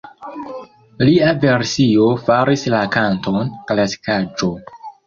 Lia versio faris la kanton klasikaĵo.